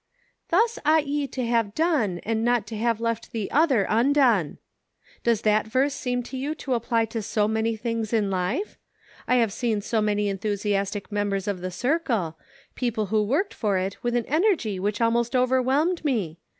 ''"* Thus ought ye to have done, and not to have left the other undone.' Does that verse seem to you to apply to so many things in life } I have seen so many enthusiastic members of the circle ; "IN HIS NAME." 259 people who worked for it with an energy which al most overwhelmed me.